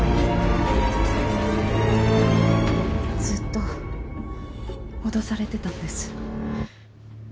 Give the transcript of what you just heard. ずっと脅されてたんです。